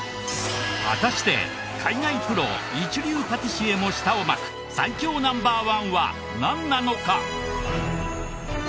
果たして海外プロ一流パティシエも舌を巻く最強Ｎｏ．１はなんなのか！？